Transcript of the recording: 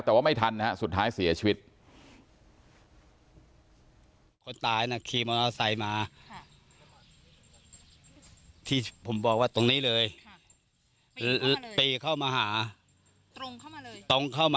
แต่ว่าไม่ทันนะฮะสุดท้ายเสียชีวิต